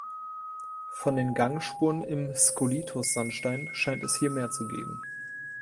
Von den Gangspuren im Skolithos Sandstein scheint es hier mehr zu geben.